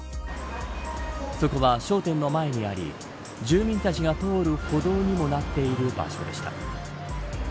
そこは、商店の前にあり住民たちが通る歩道にもなっている場所でした。